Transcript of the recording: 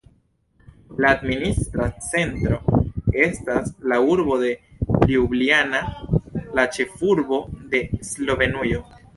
La administra centro estas la urbo de Ljubljana, la ĉefurbo de Slovenujo.